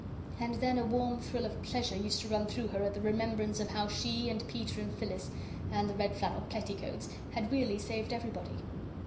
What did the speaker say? And then a warm thrill of pleasure used to run through her at the remembrance of how she and Peter and Phyllis and the red flannel petticoats had really saved everybody.